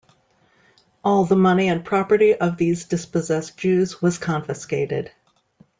All the money and property of these dispossessed Jews was confiscated.